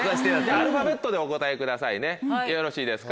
アルファベットでお答えくださいねよろしいですか？